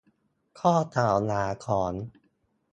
ข้อกล่าวหาของ